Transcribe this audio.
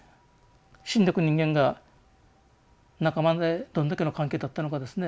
死んでく人間が仲間でどんだけの関係だったのかですね